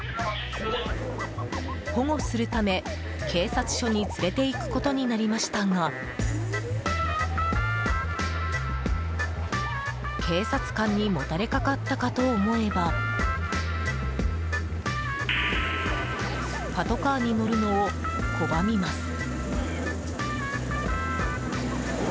保護するため、警察署に連れていくことになりましたが警察官にもたれかかったかと思えばパトカーに乗るのを拒みます。